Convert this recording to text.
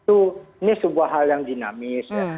ini sebuah hal yang dinamis ya